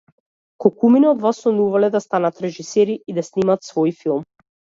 Колкумина од вас сонувале да станат режисери и да снимат свој филм?